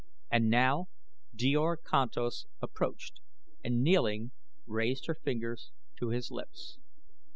And now Djor Kantos approached and kneeling raised her fingers to his lips.